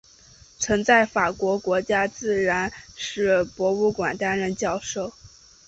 曾在法国国家自然史博物馆担任教授。